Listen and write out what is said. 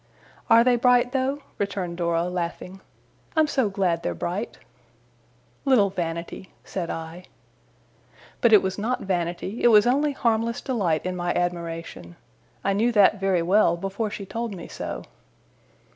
'Are they bright, though?' returned Dora, laughing. 'I'm so glad they're bright.' 'Little Vanity!' said I. But it was not vanity; it was only harmless delight in my admiration. I knew that very well, before she told me so.